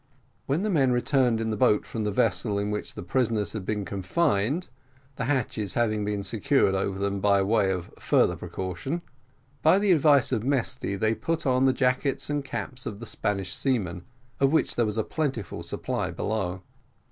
When the men returned in the boat from the vessel in which the prisoners had been confined (the hatches having been secured over them, by way of further precaution), by the advice of Mesty they put on the jackets and caps of the Spanish seamen, of which there was a plentiful supply below.